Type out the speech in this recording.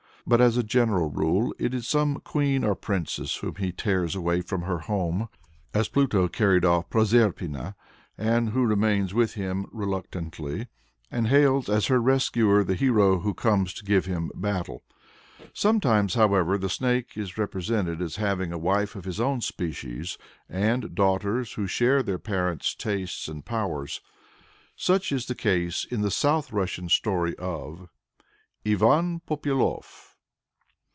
But as a general rule it is some queen or princess whom he tears away from her home, as Pluto carried off Proserpina, and who remains with him reluctantly, and hails as her rescuer the hero who comes to give him battle. Sometimes, however, the snake is represented as having a wife of his own species, and daughters who share their parent's tastes and powers. Such is the case in the (South Russian) story of IVAN POPYALOF.